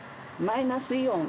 マイナスイオン。